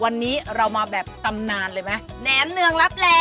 วันนี้เรามาแบบตำนานเลยไหมแหนมเนืองลับแล